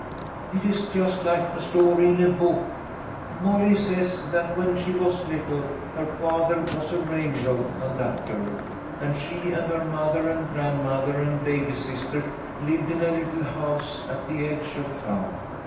" It is just like a story in a book. " Molly says that when she was little her father was a railroad conductor, and she and her mother and grandmother and baby sister lived in a little house at the edge of town.